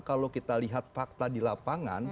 kalau kita lihat fakta di lapangan